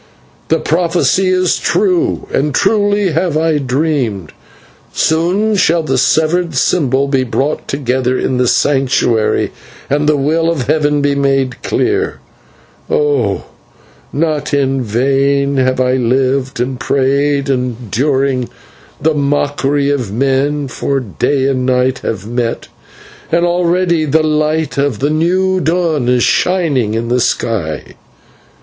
The prophecy is true, and truly have I dreamed; soon shall the severed symbol be brought together in the Sanctuary and the will of Heaven be made clear. Oh! not in vain have I lived and prayed, enduring the mockery of men, for Day and Night have met, and already the light of the new dawn is shining in the sky.